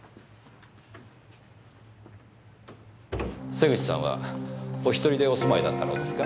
瀬口さんはお１人でお住まいだったのですか？